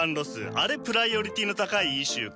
あれプライオリティーの高いイシューかと。